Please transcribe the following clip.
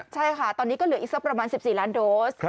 ใช่ค่ะตอนนี้ก็เหลืออีกสักประมาณ๑๔ล้านโดส